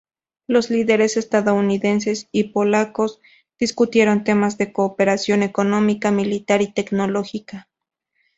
Los líderes estadounidenses y polacos discutieron temas de cooperación económica, militar y tecnológica.